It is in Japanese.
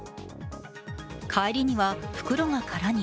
帰りには、袋が空に。